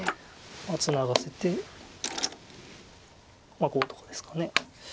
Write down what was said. ツナがせてまあこうとかですか。